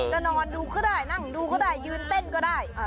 จะนอนดูก็ได้นั่งดูก็ได้ยืนเต้นก็ได้